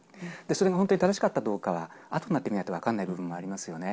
それが本当に正しかったかどうかは、あとになってみないと分からない部分もありますよね。